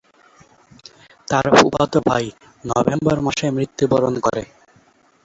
তার ফুফাতো ভাই নভেম্বর মাসে মৃত্যুবরণ করে।